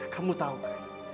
kamu tahu kay